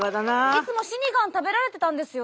いつもシニガン食べられてたんですよね。